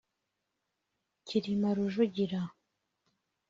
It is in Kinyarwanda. Cyilima Rujugira